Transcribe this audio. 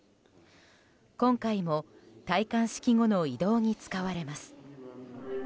今回も戴冠式後の移動に使われます。